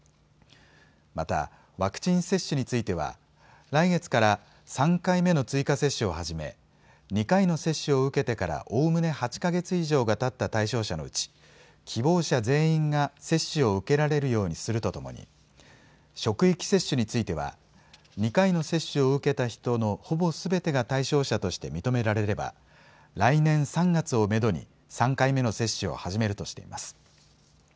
また、ワクチン接種については来月から３回目の追加接種を始め２回の接種を受けてからおおむね８か月以上がたった対象者のうち希望者全員が接種を受けられるようにするとともに職域接種については２回の接種を受けた人のほぼすべてが対象者として認められれば来年３月をめどに３回目の接種を始めるとしています。